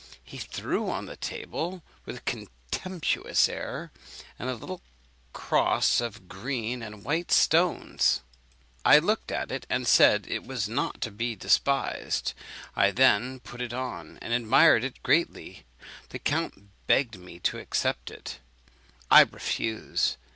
He threw on the table, with a contemptuous air, a little cross of green and white stones. I looked at it, and said it was not to be despised. I then put it on, and admired it greatly. The count begged me to accept it; I refused.